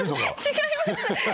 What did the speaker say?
違います。